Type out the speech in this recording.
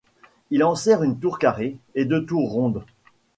Il enserre une tour carrée et deux tours rondes.